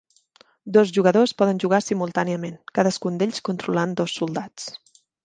Dos jugadors poden jugar simultàniament, cadascun d'ells controlant dos soldats.